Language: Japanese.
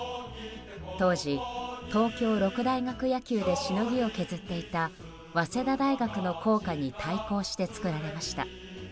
当時、東京六大学野球でしのぎを削っていた早稲田大学の校歌に対抗して作られました。